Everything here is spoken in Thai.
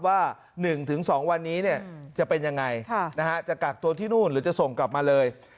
ว่า๑๒วันนี้จะเป็นยังไงจะกักตัวที่นู่นหรือจะส่งกลับมาเลย